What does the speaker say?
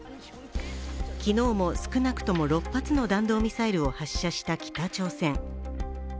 昨日も少なくとも６発の弾道ミサイルを発射した北朝鮮。